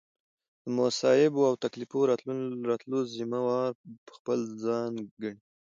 د مصائبو او تکاليفو راتللو ذمه وار به خپل ځان ګڼي